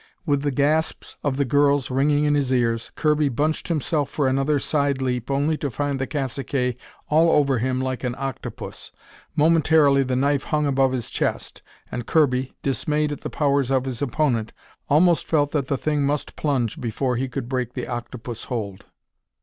With the gasps of the girls ringing in his ears, Kirby bunched himself for another side leap only to find the cacique all over him like an octopus. Momentarily the knife hung above his chest, and Kirby, dismayed at the powers of his opponent, almost felt that the thing must plunge before he could break the octopus hold.